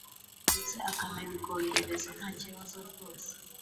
ndetse akanabikorohereza ntakibazo rwose